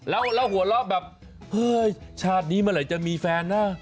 แล้วหัวเราะแบบเฮ้ยชาตินี้เมื่อไหร่จะมีแฟนนะ